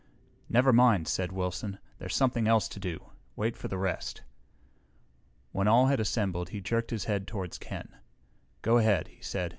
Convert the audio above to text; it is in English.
"Never mind," said Wilson. "There's something else to do. Wait for the rest." When all had assembled he jerked his head toward Ken. "Go ahead," he said.